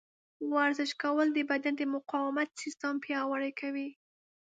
ورزش کول د بدن د مقاومت سیستم پیاوړی کوي.